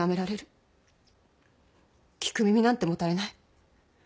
聞く耳なんて持たれない。